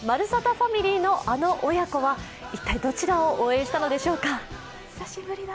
ファミリーのあの親子は一体どちらを応援したのでしょうか。